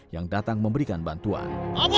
yang datang memberikan bantuan